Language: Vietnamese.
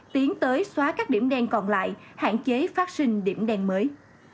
tiến tới xóa các điểm đen còn lại hạn chế phát sinh điểm đen mới